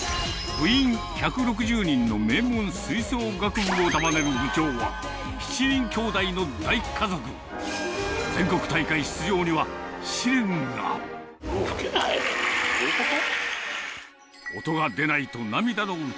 部員１６０名の名門吹奏楽部を束ねる部長は、７人きょうだいの大家族。全国大会出場には、もう吹けない？どういうこと？